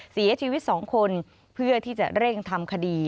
เสียชีวิต๒คนเพื่อที่จะเร่งทำคดี